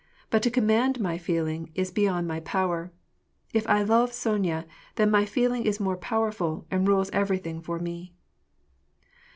'^ But to com mand my feelings is beyond my power. If I love Sonya, then my feeling is more powerful, and rules everything for me."